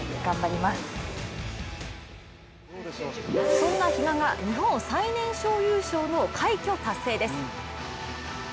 そんな比嘉が日本史上最年少優勝の快挙達成です。